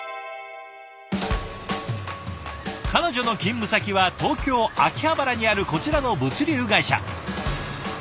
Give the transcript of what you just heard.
彼女の勤務先は東京・秋葉原にあるこちらの物流会社。